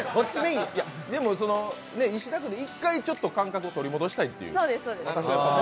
でも、石田君で一回、感覚を取り戻したいと。